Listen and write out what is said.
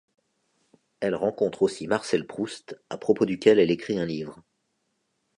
Elle rencontre aussi Marcel Proust, à propos duquel elle écrit un livre.